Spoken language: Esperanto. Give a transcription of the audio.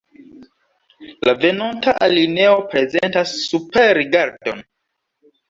La venonta alineo prezentas superrigardon.